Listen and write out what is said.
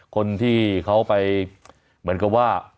คนที่เขาไปเหมือนกับว่า